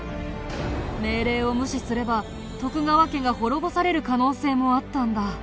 命令を無視すれば徳川家が滅ぼされる可能性もあったんだ。